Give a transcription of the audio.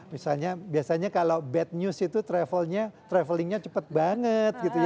misalnya kalau bad news itu travelingnya cepat banget